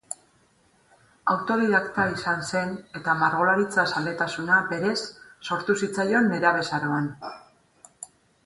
Autodidakta izan zen eta margolaritza-zaletasuna berez sortu zitzaion, nerabezaroan.